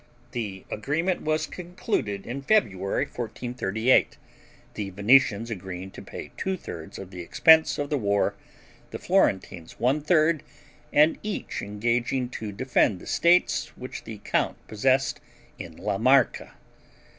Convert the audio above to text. The agreement was concluded in February, 1438; the Venetians agreeing to pay two thirds of the expense of the war, the Florentines one third, and each engaging to defend the states which the count possessed in La Marca.